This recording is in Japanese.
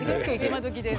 今どきで。